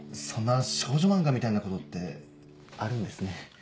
そんな少女漫画みたいなことってあるんですね？